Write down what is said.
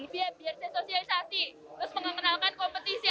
biar saya sosialisasi terus mengenalkan kompetisi